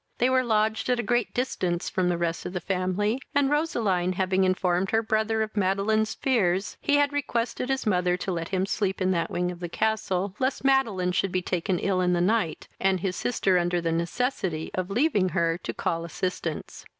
They were lodged at a great distance from the rest of the family, and Roseline, having informed her brother of Madeline's fears, he had requested his mother to let him sleep in that wing of the castle, lest Madeline should be taken ill in the night, and his sister under the necessity of leaving her to call assistance.